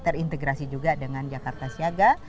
terintegrasi juga dengan jakarta siaga